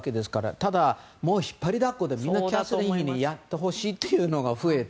ただ、もう引っ張りだこでみんなキャサリン妃にやってほしいというのが増えて。